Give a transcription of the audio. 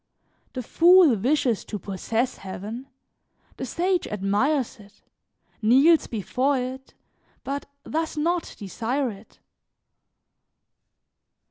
The fool wishes to possess heaven; the sage admires it, kneels before it, but does not desire it.